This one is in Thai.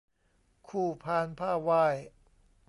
คู่พานผ้าไหว้